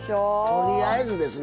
とりあえずですね